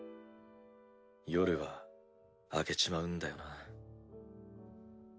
夜は明けちまうんだよな。